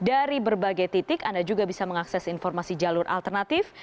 dan dari berbagai titik anda juga bisa mengakses informasi jalur alternatif